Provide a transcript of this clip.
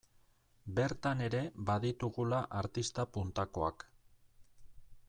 Bertan ere baditugula artista puntakoak.